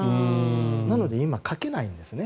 なので今書けないんですね。